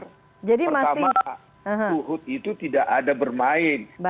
pertama luhut itu tidak ada bermain